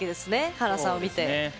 華さんを見て。